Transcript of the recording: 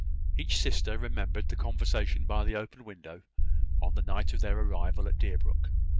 Each sister remembered the conversation by the open window, on the night of their arrival at Deerbrook.